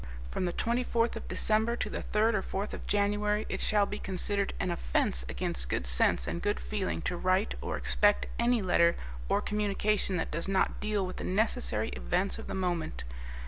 From the twenty fourth of December to the third or fourth of January it shall be considered an offence against good sense and good feeling to write or expect any letter or communication that does not deal with the necessary events of the moment.